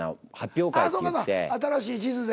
新しい地図で。